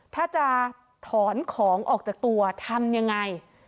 ถ้าจะถอนของออกจากตัวทำยังไง